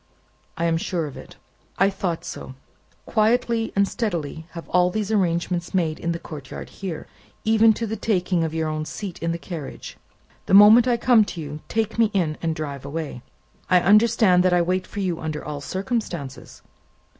"I am sure of it." "I thought so. Quietly and steadily have all these arrangements made in the courtyard here, even to the taking of your own seat in the carriage. The moment I come to you, take me in, and drive away." "I understand that I wait for you under all circumstances?"